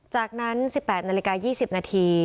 จากนั้น๑๘นาฬิกา๒๐นาที